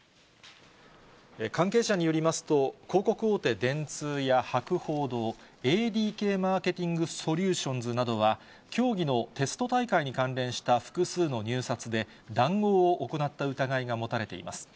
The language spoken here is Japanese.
関係者によりますと、広告大手、電通や博報堂、ＡＤＫマーケティング・ソリューションズなどは、競技のテスト大会に関連した複数の入札で、談合を行った疑いが持たれています。